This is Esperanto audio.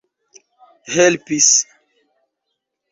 helpis